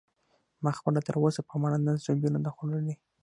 ما خپله تراوسه په ماړه نس ډوډۍ نه ده خوړلې.